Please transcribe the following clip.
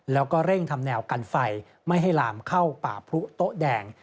แล้วก็เร่งทำแนวกันไฟไม่ให้ลามเข้าป่าพรุโต๊ะแดง